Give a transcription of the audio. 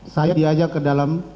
saya diajak ke dalam